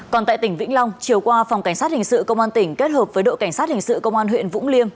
còn tại tỉnh vĩnh long chiều qua phòng cảnh sát hình sự công an tỉnh kết hợp với đội cảnh sát hình sự công an huyện vũng liêm